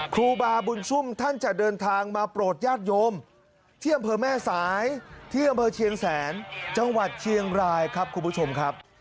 ครูบาบุญชุ่มท่านจะเดินทางมาโปรดญาติโยมที่อำเภอแม่สายที่อำเภอเชียงแสนจังหวัดเชียงรายครับคุณผู้ชมครับ